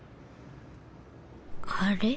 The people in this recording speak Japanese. あれ？